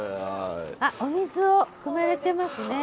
あっお水をくまれてますね。